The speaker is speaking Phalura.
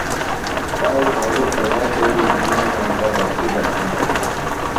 تائی پہُرتہ گہ شئی بیۡ گِھینوۡ ہینتہ دڇھی بہ گِھینہ دےۡ۔